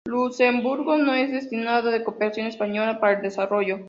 Luxemburgo no es destinatario de cooperación española para el desarrollo.